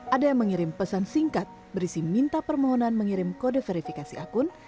ada yang mengirim pesan singkat berisi minta permohonan mengirim kode verifikasi akun